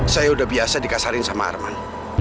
saya udah biasa dikasarin sama arman